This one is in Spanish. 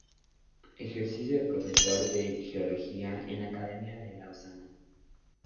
Ejerció de profesor de geología en la Academia de Lausana.